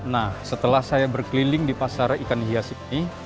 nah setelah saya berkeliling di pasar ikan hias ini